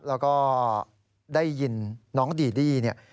แล้วก็ได้ยินน้องดีดี้เนี่ย